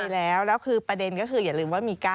แล้วคือประเด็นก็คืออย่าลืมว่ามี๙